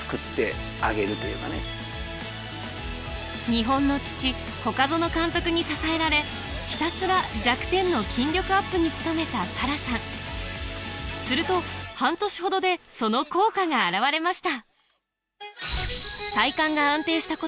日本の父外園監督に支えられひたすら弱点の筋力アップに努めたサラさんすると半年ほどでその効果が表れました